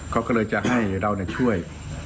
เขาก็เลยจะให้เราช่วย